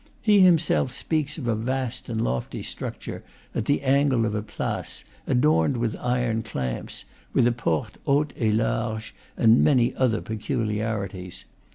He himself speaks of a vast and lofty structure, at the angle of a place, adorned with iron clamps, with a porte haute et large and many other peculiarities.